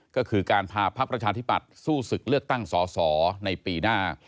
ก็คือการพาพักประชาธิปัตย์สู้ศึกเลือกตั้งสอสอในปีหน้า